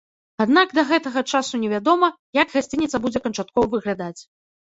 Аднак да гэтага часу не вядома, як гасцініца будзе канчаткова выглядаць.